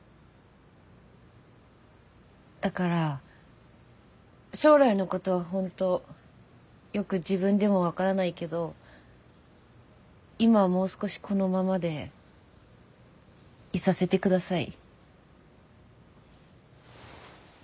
だから将来のことは本当よく自分でも分からないけど今はもう少しこのままでいさせて下さい。